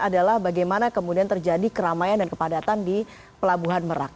adalah bagaimana kemudian terjadi keramaian dan kepadatan di pelabuhan merak